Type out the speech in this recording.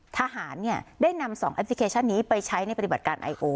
ทหารได้นำ๒แอปพลิเคชันนี้ไปใช้ในปฏิบัติการไอโอ